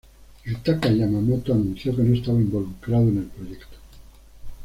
Yutaka Yamamoto anunció que no estaba involucrado en el proyecto.